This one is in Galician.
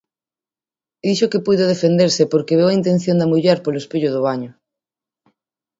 Dixo que puido defenderse porque veu a intención da muller polo espello do baño.